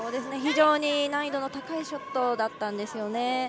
非常に難易度の高いショットだったんですよね。